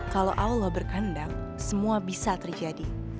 kalau allah berkehendak semua bisa terjadi